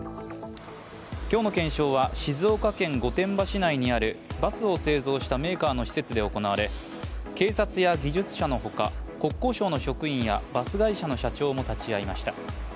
今日の検証は、静岡県御殿場市内にあるバスを製造したメーカーの施設で行われ警察や技術者のほか国交省の職員やバス会社の社長も立ち会いました。